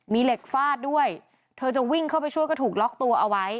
มีเหล็กฟาดด้วยเธอจะวิ่งเข้าไปช่วยก็ถูกล็อกตัวเอาไว้